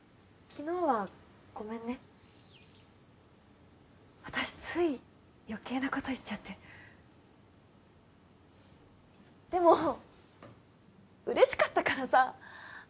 昨日はごめんね私つい余計なこと言っちゃってでも嬉しかったからさ